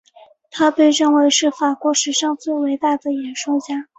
他被认为是法国史上最伟大的演说家。